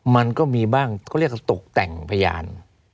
มันก็มีบ้างเขาเรียกตกแต่งพยาน